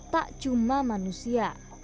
tak cuma manusia